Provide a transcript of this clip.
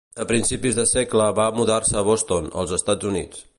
A principis de segle va mudar-se a Boston, als Estats Units.